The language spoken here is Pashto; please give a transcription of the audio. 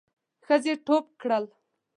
ښځې ټوپ کړل.